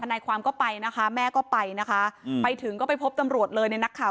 นายความก็ไปนะคะแม่ก็ไปนะคะไปถึงก็ไปพบตำรวจเลยในนักข่าว